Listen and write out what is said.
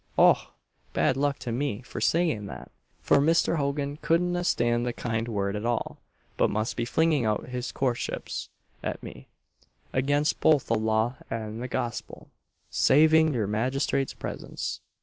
Och! bad luck to me for saying that! for Mr. Hogan couldna stand the kind word at all, but must be flinging out his coortships at me against both the law and the gospel saving your magistrate's presence.